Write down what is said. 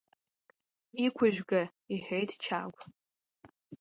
Иқәыжәга, — иҳәеит Чагә.